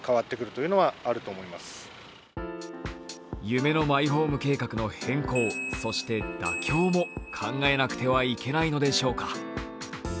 夢のマイホーム計画の変更、そして妥協も考えなくてはいけないのでしょうか？